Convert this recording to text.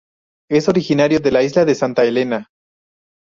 Es originario de la isla de Santa Helena.